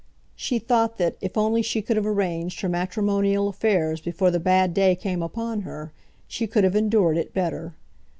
She thought that, if only she could have arranged her matrimonial affairs before the bad day came upon her, she could have endured it better.